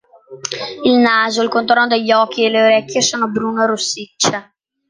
Il naso, il contorno degli occhi e le orecchie sono bruno-rossicce.